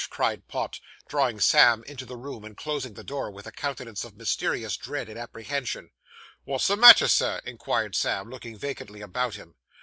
cried Pott, drawing Sam into the room, and closing the door, with a countenance of mysterious dread and apprehension. 'Wot's the matter, Sir?' inquired Sam, looking vacantly about him.